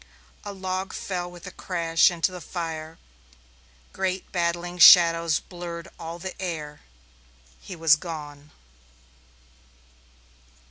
A log fell with a crash into the fire; great battling shadows blurred all the air; he was gone.